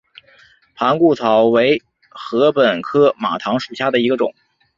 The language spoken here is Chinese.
盘固草为禾本科马唐属下的一个种。